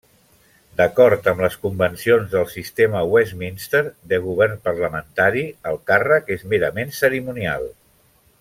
D'acord amb les convencions del sistema Westminster de govern parlamentari, el càrrec és merament cerimonial.